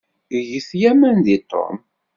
Get laman deg Tom.